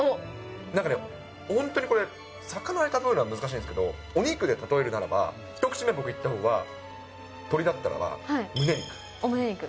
なんかね、本当にこれ、魚に例えるのは難しいんですけど、お肉で例えるならば、１口目、僕いったほうが、鶏だったらばむね肉。